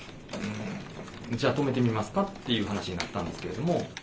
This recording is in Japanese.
じゃあ、止めてみますかという話になったんですけれども。